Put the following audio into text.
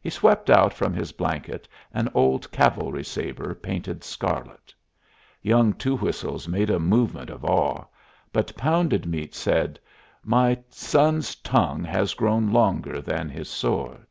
He swept out from his blanket an old cavalry sabre painted scarlet. Young Two Whistles made a movement of awe, but Pounded Meat said, "My son's tongue has grown longer than his sword."